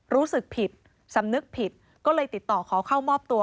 รู้สึกผิดสำนึกผิดก็เลยติดต่อขอเข้ามอบตัว